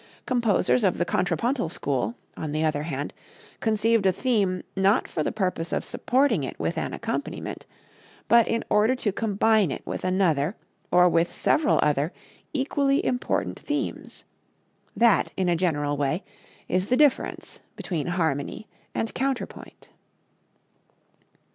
Composers of the contrapuntal school, on the other hand, conceived a theme, not for the purpose of supporting it with an accompaniment, but in order to combine it with another or with several other equally important themes. That, in a general way, is the difference between harmony and counterpoint.